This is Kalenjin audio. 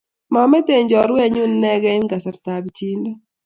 Maameten chorwennyu inekey eng' kasartap pichiindo